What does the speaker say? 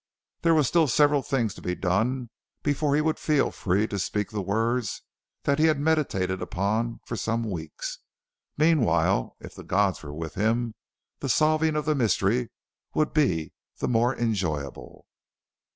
There were still several things to be done before he would feel free to speak the words that he had meditated upon for some weeks. Meanwhile if the gods were with him the solving of the mystery would be the more enjoyable.